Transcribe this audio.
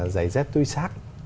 giấy dép tuy sát